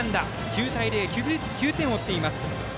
９対０、９点を追っています。